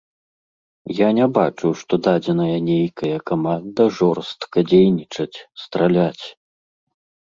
Я не бачу, што дадзеная нейкая каманда жорстка дзейнічаць, страляць.